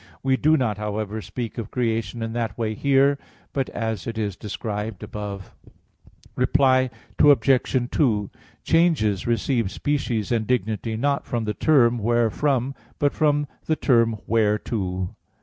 We do not, however, speak of creation in that way here, but as it is described above. Reply Obj. 2: Changes receive species and dignity, not from the term wherefrom, but from the term _whereto.